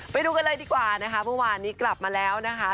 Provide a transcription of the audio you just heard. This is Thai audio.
ไปดูกันเลยก่อนนะวันป่านี้กลับมาแล้วนะคะ